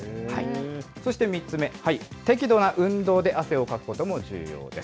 そして３つ目、適度な運動で汗をかくことも重要です。